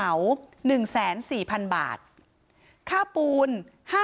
ตำรวจบอกว่าภายในสัปดาห์เนี้ยจะรู้ผลของเครื่องจับเท็จนะคะ